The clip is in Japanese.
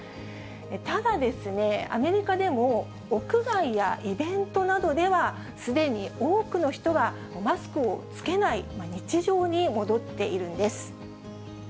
ただですね、アメリカでも屋外やイベントなどでは、すでに多くの人がマスクを着けない日常に戻っているんです。